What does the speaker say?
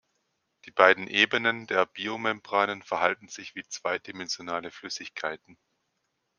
Die beiden Ebenen der Biomembranen verhalten sich wie zweidimensionale Flüssigkeiten.